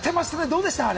どうでした？